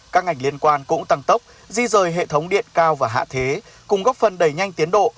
các ngành liên quan cũng tăng tốc di rời hệ thống điện cao và hạ thế cùng góp phần đẩy nhanh tiến độ